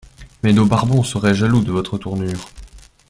Mais nos barbons seraient jaloux de votre tournure.